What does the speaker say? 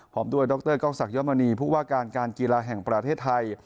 พร้อมด้วยดกศยมนีภูกว่าการการกีฬาแห่งประเทศไทย